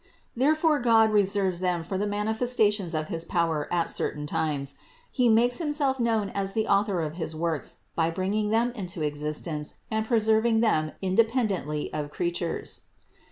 Therefore, God reserves them for the manifestations of his power at certain times. He makes Himself known as the Author of his works by bringing them into existence and preserving them inde pendently of creatures.